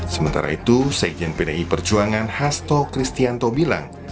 sementara itu sekjen pdi perjuangan hasto kristianto bilang